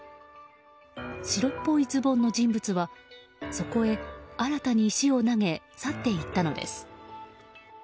白っぽいズボンの人物はそこへ新たに石を投げ去って行ったのです。